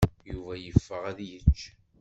Yuba yeffeɣ ad d-yečč.